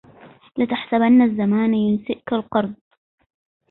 لا تحسبن الزمان ينسئك القرض